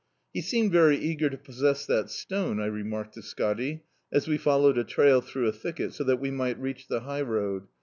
"He seemed very eager to possess that stone," I remarked to Scotty, as we followed a trail through a thicket, so that we might reach the high road.